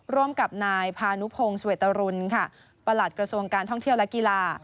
ร่วมกับนายพานุพงศเวตรุณค่ะประหลัดกระทรวงการท่องเที่ยวและกีฬา